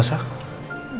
boleh kami masuk ketemu elsa